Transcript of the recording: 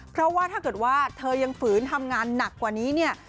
เพราะว่าถ้าเกิดว่าเธอยังฝืนทำงานหนักกว่านี้เนี่ย